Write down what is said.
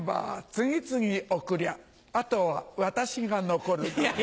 次々送りゃあとは私が残るだけ。